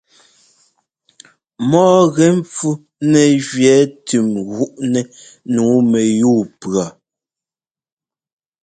Mɔ́ɔ gɛ pfú nɛgẅɛɛ tʉ́m gúꞌnɛ́ nǔu mɛyúu-pʉɔ.